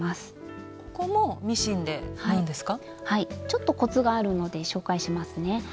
ちょっとコツがあるので紹介しますね。